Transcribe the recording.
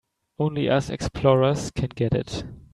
Only us explorers can get it.